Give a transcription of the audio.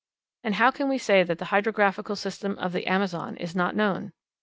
And how can we say that the hydrographical system of the Amazon is not known?